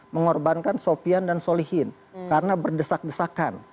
mengorbankan sopian dan solihin karena berdesak desakan